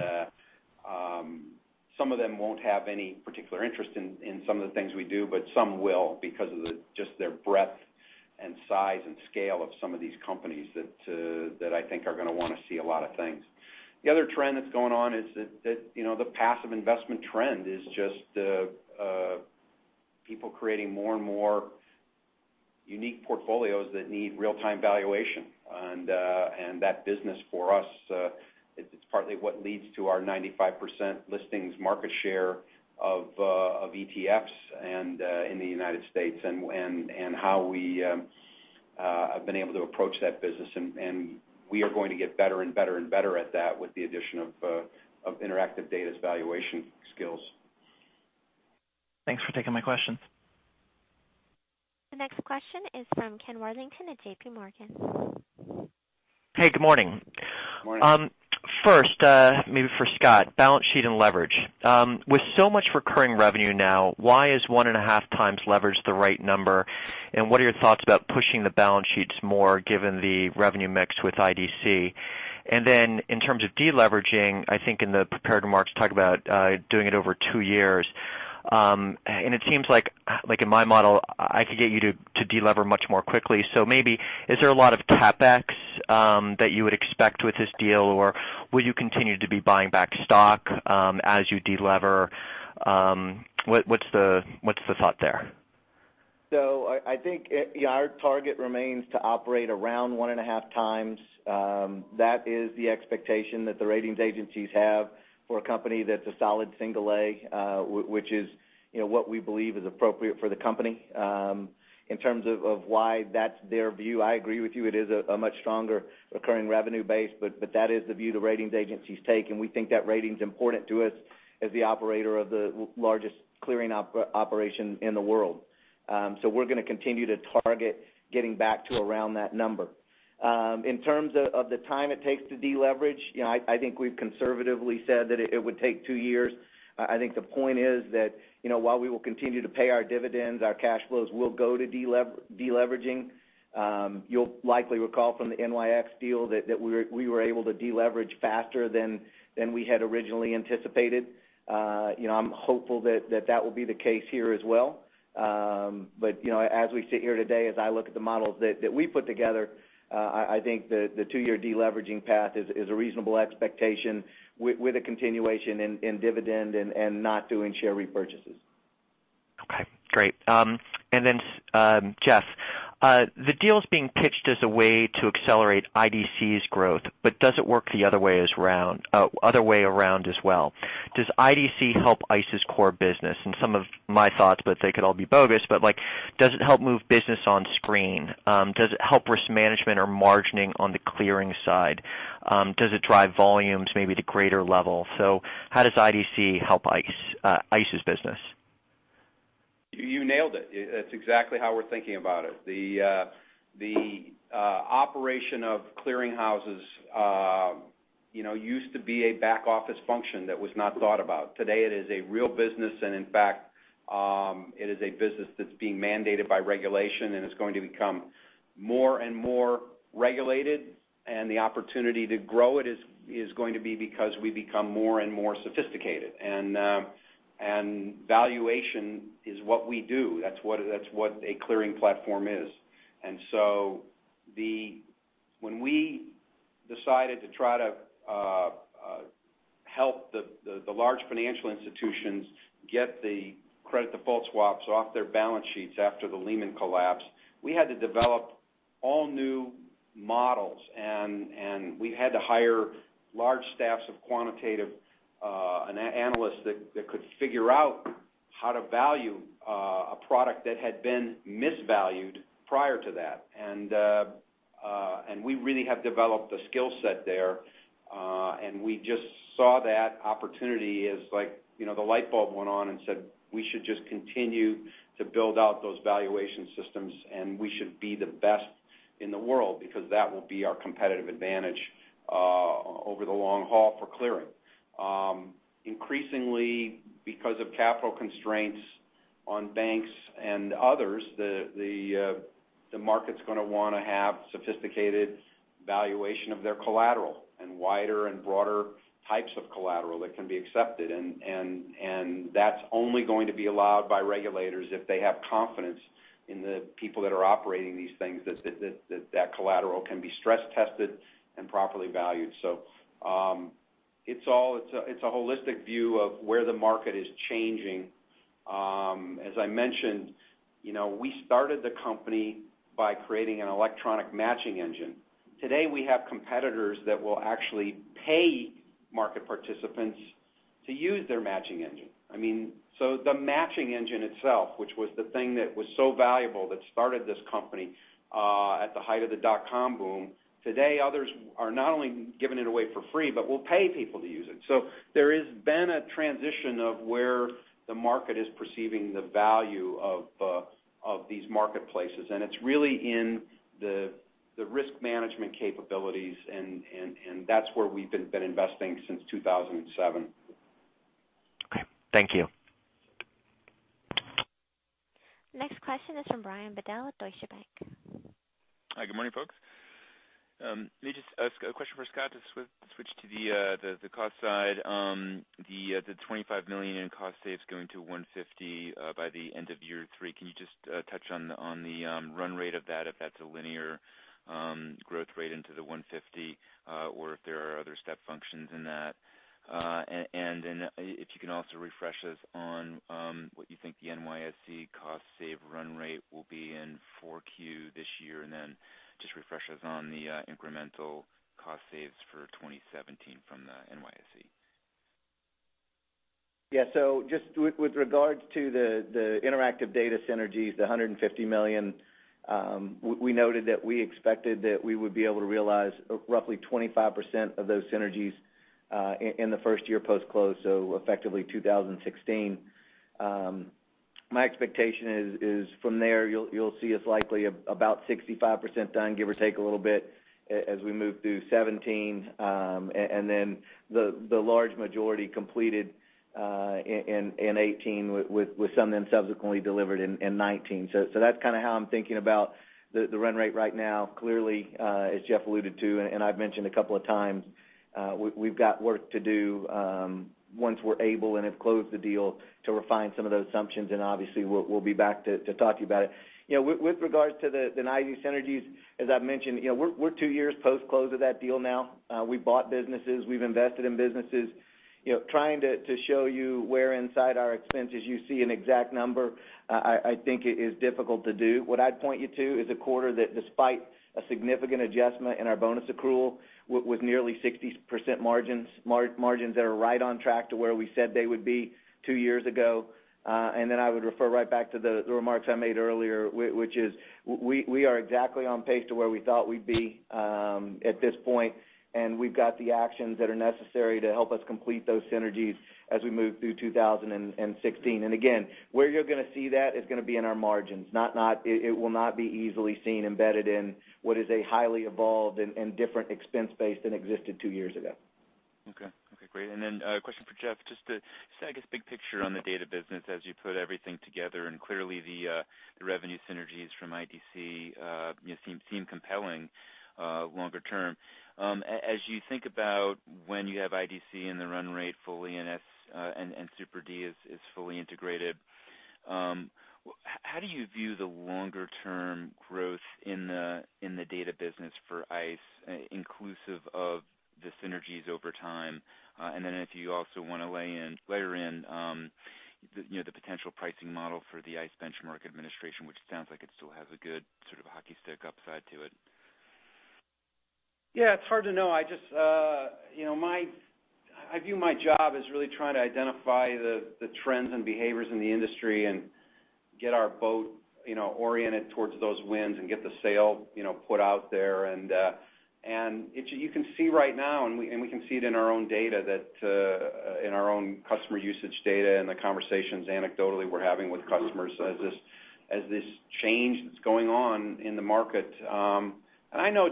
some of them won't have any particular interest in some of the things we do, but some will because of just their breadth and size and scale of some of these companies that I think are going to want to see a lot of things. The other trend that's going on is that the passive investment trend is just people creating more and more unique portfolios that need real-time valuation. That business for us, it's partly what leads to our 95% listings market share of ETFs in the United States and how we have been able to approach that business. We are going to get better and better at that with the addition of Interactive Data's valuation skills.
Thanks for taking my question.
The next question is from Kenneth Worthington at JPMorgan.
Hey, good morning.
Morning.
First, maybe for Scott, balance sheet and leverage. With so much recurring revenue now, why is one and a half times leverage the right number? What are your thoughts about pushing the balance sheets more given the revenue mix with IDC? In terms of deleveraging, I think in the prepared remarks, you talk about doing it over two years. It seems like in my model, I could get you to delever much more quickly. Is there a lot of CapEx that you would expect with this deal, or will you continue to be buying back stock as you delever? What's the thought there?
I think our target remains to operate around one and a half times. That is the expectation that the ratings agencies have for a company that's a solid single A, which is what we believe is appropriate for the company. In terms of why that's their view, I agree with you, it is a much stronger recurring revenue base, that is the view the ratings agencies take, and we think that rating's important to us as the operator of the largest clearing operation in the world. We're going to continue to target getting back to around that number. In terms of the time it takes to deleverage, I think we've conservatively said that it would take two years. I think the point is that while we will continue to pay our dividends, our cash flows will go to deleveraging.
You'll likely recall from the NYX deal that we were able to deleverage faster than we had originally anticipated. I'm hopeful that will be the case here as well. As we sit here today, as I look at the models that we put together, I think the two-year deleveraging path is a reasonable expectation with a continuation in dividend and not doing share repurchases.
Okay, great. Jeff, the deal's being pitched as a way to accelerate IDC's growth, does it work the other way around as well? Does IDC help ICE's core business? Some of my thoughts, they could all be bogus, does it help move business on screen? Does it help risk management or margining on the clearing side? Does it drive volumes maybe to greater level? How does IDC help ICE's business?
You nailed it. That's exactly how we're thinking about it. The operation of clearing houses used to be a back-office function that was not thought about. Today, it is a real business and, in fact, it is a business that's being mandated by regulation and is going to become more and more regulated, and the opportunity to grow it is going to be because we become more and more sophisticated. Valuation is what we do. That's what a clearing platform is. When we decided to try to help the large financial institutions get the credit default swaps off their balance sheets after the Lehman collapse, we had to develop all new models. We had to hire large staffs of quantitative analysts that could figure out how to value a product that had been misvalued prior to that. We really have developed a skill set there. We just saw that opportunity as the light bulb went on and said, "We should just continue to build out those valuation systems, and we should be the best in the world because that will be our competitive advantage over the long haul for clearing." Increasingly, because of capital constraints on banks and others, the market's going to want to have sophisticated valuation of their collateral and wider and broader types of collateral that can be accepted, and that's only going to be allowed by regulators if they have confidence in the people that are operating these things, that collateral can be stress-tested and properly valued. It's a holistic view of where the market is changing. As I mentioned, we started the company by creating an electronic matching engine. Today, we have competitors that will actually pay market participants to use their matching engine. The matching engine itself, which was the thing that was so valuable that started this company, at the height of the dot-com boom, today, others are not only giving it away for free, but will pay people to use it. There has been a transition of where the market is perceiving the value of these marketplaces, and it's really in the risk management capabilities, and that's where we've been investing since 2007.
Okay. Thank you.
Next question is from Brian Bedell with Deutsche Bank.
Hi, good morning, folks. Let me just ask a question for Scott to switch to the cost side. The $25 million in cost saves going to $150 million by the end of year three, can you just touch on the run rate of that, if that's a linear growth rate into the $150 million, or if there are other step functions in that? If you can also refresh us on what you think the NYSE cost save run rate will be in 4Q this year, and just refresh us on the incremental cost saves for 2017 from the NYSE.
Yeah. Just with regards to the Interactive Data synergies, the $150 million, we noted that we expected that we would be able to realize roughly 25% of those synergies in the first year post-close. Effectively 2016. My expectation is from there, you'll see us likely about 65% done, give or take a little bit, as we move through 2017, the large majority completed in 2018, with some subsequently delivered in 2019. That's kind of how I'm thinking about the run rate right now. Clearly, as Jeff alluded to, and I've mentioned a couple of times, we've got work to do once we're able and have closed the deal to refine some of those assumptions, obviously, we'll be back to talk to you about it. With regards to the NYSE synergies, as I've mentioned, we're two years post-close of that deal now. We've bought businesses, we've invested in businesses. Trying to show you where inside our expenses you see an exact number, I think it is difficult to do. What I'd point you to is a quarter that despite a significant adjustment in our bonus accrual, with nearly 60% margins that are right on track to where we said they would be two years ago. I would refer right back to the remarks I made earlier, which is, we are exactly on pace to where we thought we'd be at this point, and we've got the actions that are necessary to help us complete those synergies as we move through 2016. Again, where you're going to see that is going to be in our margins. It will not be easily seen embedded in what is a highly evolved and different expense base than existed two years ago.
Okay. Great. A question for Jeff, just to, I guess, big picture on the data business as you put everything together, clearly the revenue synergies from IDC seem compelling longer term. As you think about when you have IDC and the run rate fully and Super-D is fully integrated, how do you view the longer-term growth in the data business for ICE, inclusive of the synergies over time? If you also want to layer in the potential pricing model for the ICE Benchmark Administration, which sounds like it still has a good sort of hockey stick upside to it.
Yeah, it's hard to know. I view my job as really trying to identify the trends and behaviors in the industry and get our boat oriented towards those winds and get the sail put out there. You can see right now, and we can see it in our own data, in our own customer usage data and the conversations anecdotally we're having with customers as this change that's going on in the market. I know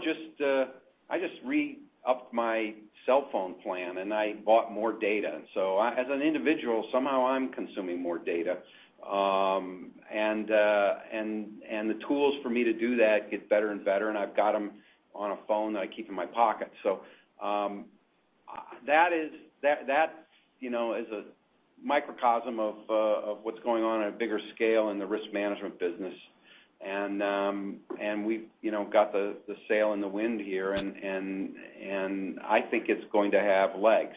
I just re-upped my cellphone plan, and I bought more data. As an individual, somehow I'm consuming more data. The tools for me to do that get better and better, and I've got them on a phone that I keep in my pocket. That is a microcosm of what's going on at a bigger scale in the risk management business. We've got the sail and the wind here, and I think it's going to have legs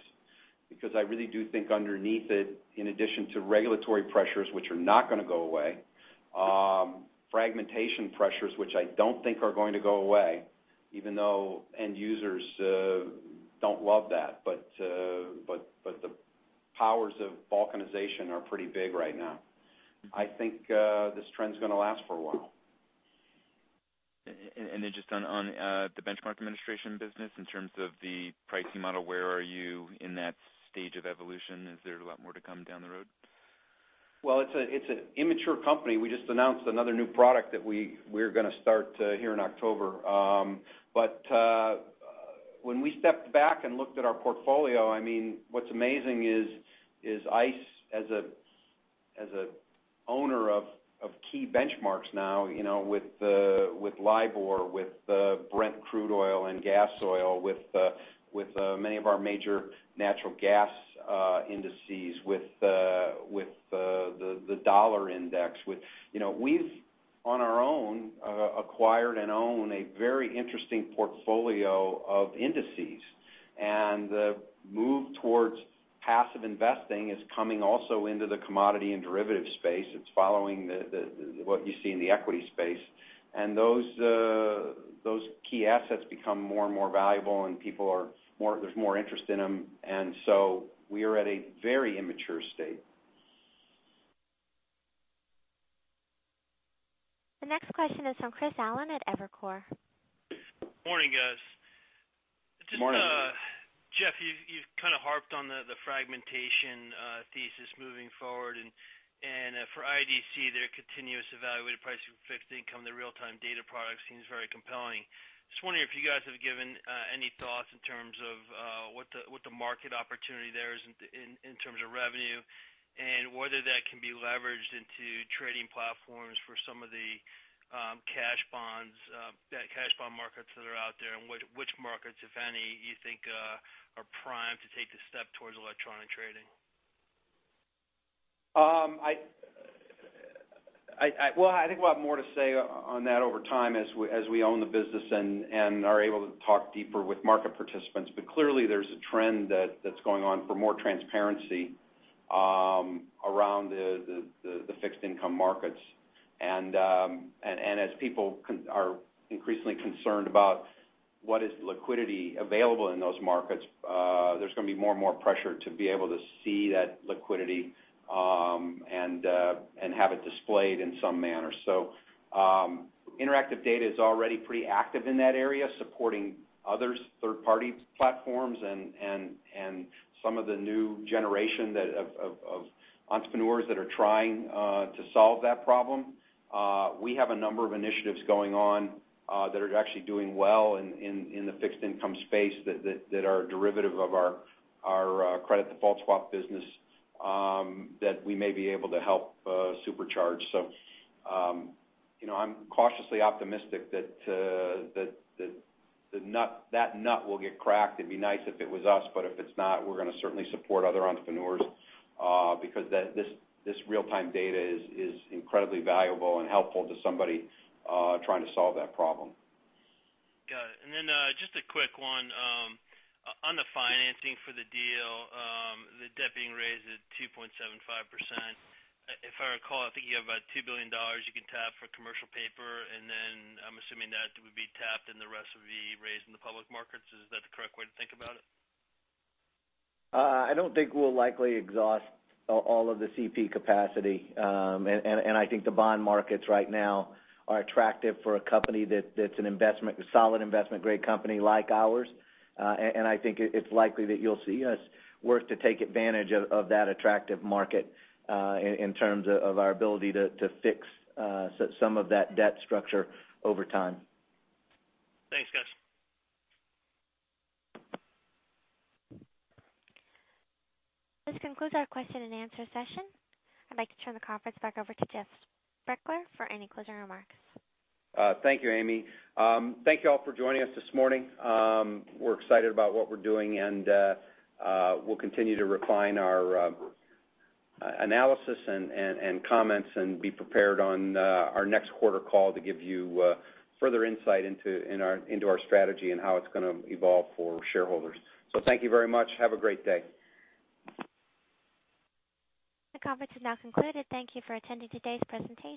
Because I really do think underneath it, in addition to regulatory pressures, which are not going to go away, fragmentation pressures, which I don't think are going to go away, even though end users don't love that. The powers of balkanization are pretty big right now. I think this trend's going to last for a while.
Just on the benchmark administration business, in terms of the pricing model, where are you in that stage of evolution? Is there a lot more to come down the road?
Well, it's an immature company. We just announced another new product that we're going to start here in October. When we stepped back and looked at our portfolio, what's amazing is ICE, as an owner of key benchmarks now, with LIBOR, with Brent Crude oil and gas oil, with many of our major natural gas indices, with the U.S. Dollar Index. We've, on our own, acquired and own a very interesting portfolio of indices. The move towards passive investing is coming also into the commodity and derivative space. It's following what you see in the equity space. Those key assets become more and more valuable, and there's more interest in them. We are at a very immature state.
The next question is from Chris Allen at Evercore.
Morning, guys.
Morning.
Jeff, you've kind of harped on the fragmentation thesis moving forward. For IDC, their continuous evaluated price fixed income, their real-time data product seems very compelling. Just wondering if you guys have given any thoughts in terms of what the market opportunity there is in terms of revenue and whether that can be leveraged into trading platforms for some of the cash bond markets that are out there, and which markets, if any, you think are primed to take the step towards electronic trading.
I think we'll have more to say on that over time as we own the business and are able to talk deeper with market participants. Clearly, there's a trend that's going on for more transparency around the fixed income markets. As people are increasingly concerned about what is liquidity available in those markets, there's going to be more and more pressure to be able to see that liquidity, and have it displayed in some manner. Interactive Data is already pretty active in that area, supporting other third-party platforms and some of the new generation of entrepreneurs that are trying to solve that problem. We have a number of initiatives going on that are actually doing well in the fixed income space that are a derivative of our credit default swap business, that we may be able to help supercharge. I'm cautiously optimistic that that nut will get cracked. It'd be nice if it was us, but if it's not, we're going to certainly support other entrepreneurs, because this real-time data is incredibly valuable and helpful to somebody trying to solve that problem.
Got it. Just a quick one. On the financing for the deal, the debt being raised at 2.75%. If I recall, I think you have about $2 billion you can tap for commercial paper, I'm assuming that would be tapped, and the rest would be raised in the public markets. Is that the correct way to think about it?
I don't think we'll likely exhaust all of the CP capacity. I think the bond markets right now are attractive for a company that's a solid investment-grade company like ours. I think it's likely that you'll see us work to take advantage of that attractive market, in terms of our ability to fix some of that debt structure over time.
Thanks, guys.
This concludes our question and answer session. I'd like to turn the conference back over to Jeff Sprecher for any closing remarks.
Thank you, Amy. Thank you all for joining us this morning. We're excited about what we're doing, and we'll continue to refine our analysis and comments and be prepared on our next quarter call to give you further insight into our strategy and how it's going to evolve for shareholders. Thank you very much. Have a great day.
The conference is now concluded. Thank you for attending today's presentation